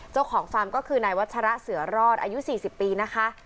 ฟาร์มก็คือนายวัชระเสือรอดอายุ๔๐ปีนะคะ